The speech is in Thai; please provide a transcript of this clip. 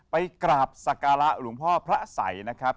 ไปกราบสากลารุงพ่อพระสัยนะครับ